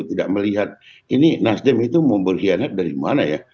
tidak melihat ini nasdem itu mau berkhianat dari mana ya